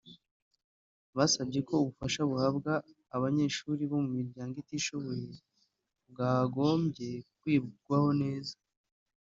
basabye ko ubufasha buhabwa abanyeshuri bo mu miryango itishoboye bwagombye kwigwaho neza